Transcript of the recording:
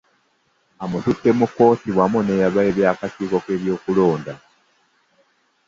Amututte mu kkooti wamu n'akakiiko k'ebyokulonda